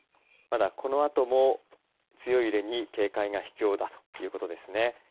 まだ、このあとも強い揺れに警戒が必要だということですね。